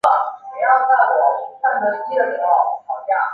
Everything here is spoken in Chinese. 曾任国际数学联盟副主席柏原是佐藤干夫在东京大学任教时的学生。